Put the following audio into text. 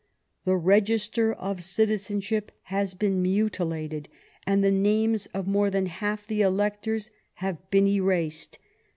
"The register of citizenship has been mutilated, and the names of more than half the electors have been erased.